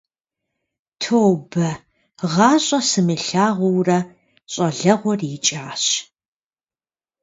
Тобэ, гъащӀэ сымылъагъуурэ щӀалэгъуэр икӀащ.